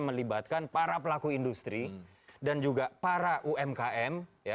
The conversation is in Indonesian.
melibatkan para pelaku industri dan juga para umkm